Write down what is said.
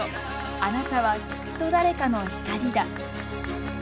「あなたは、きっと、誰かの光だ。」